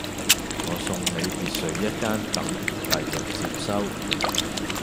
我送你別墅一間等第日接收